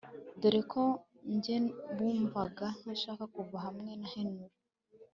dore ko njye bumvaga ntashaka kuva hamwe na Henry